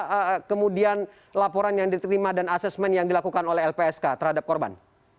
apa kemudian laporan yang diterima dan asesmen yang dilakukan oleh lpsk terhadap korban